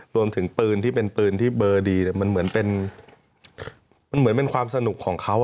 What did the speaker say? รวมถึงปืนที่เป็นปืนที่เบอร์ดีมันเหมือนเป็นความสนุกของเขา